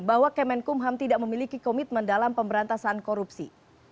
bahwa kemenkum ham tidak memiliki komitmen dalam pemberantasan korupsi